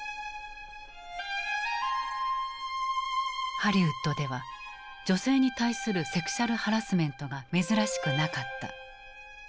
ハリウッドでは女性に対するセクシャルハラスメントが珍しくなかった。